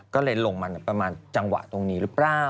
ก็เลยลงมาประมาณจังหวะตรงนี้หรือเปล่า